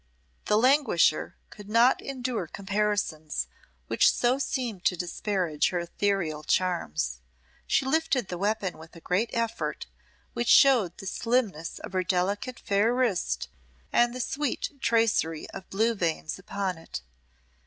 The languisher could not endure comparisons which so seemed to disparage her ethereal charms. She lifted the weapon with a great effort, which showed the slimness of her delicate fair wrist and the sweet tracery of blue veins upon it.